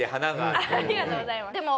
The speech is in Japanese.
ありがとうございます。